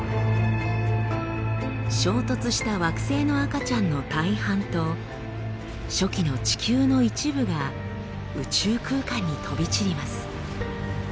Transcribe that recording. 衝突した惑星の赤ちゃんの大半と初期の地球の一部が宇宙空間に飛び散ります。